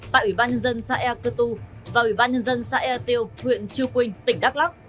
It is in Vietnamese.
tại ủy ban nhân dân xã e cơ tu và ủy ban nhân dân xã e tiêu huyện chư quynh tỉnh đắk lắc